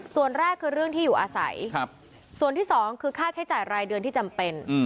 ส่วนแรกคือเรื่องที่อยู่อาศัยส่วนที่สองคือค่าใช้จ่ายรายเดือนที่จำเป็น